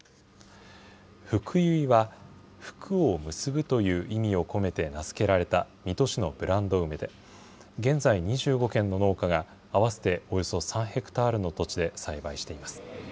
ふくゆいは、福を結ぶという意味を込めて名付けられた水戸市のブランド梅で、現在２５軒の農家が合わせておよそ３ヘクタールの土地で栽培しています。